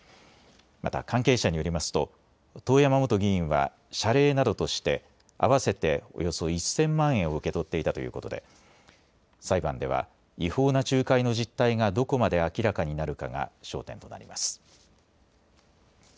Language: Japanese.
また関係者によりますと遠山元議員は謝礼などとして合わせておよそ１０００万円を受け取っていたということで裁判では違法な仲介の実態がどこまで明らかになるかが焦点となります。